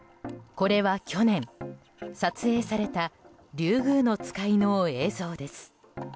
これは去年、撮影されたリュウグウノツカイの映像です。